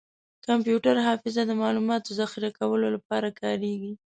کمپیوټر حافظه د معلوماتو ذخیره کولو لپاره کارېږي.